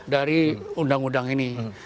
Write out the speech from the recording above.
dari undang undang ini